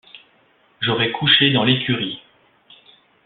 J’aurais couché dans l’écurie.